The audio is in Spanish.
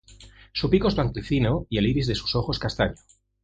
Su pico es blanquecino y el iris de sus ojos castaño.